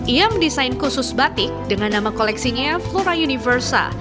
ia mendesain khusus batik dengan nama koleksinya flora universa